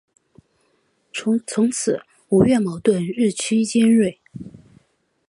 从此吴越矛盾日趋尖锐。